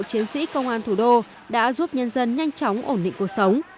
chiến sĩ công an thủ đô đã giúp nhân dân nhanh chóng ổn định cuộc sống